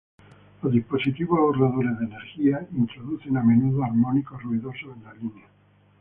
Los dispositivos ahorradores de energía introducen a menudo armónicos ruidosos en la línea.